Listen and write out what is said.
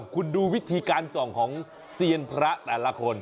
คุณดูวิธีการส่องของเซียนพระแต่ละคน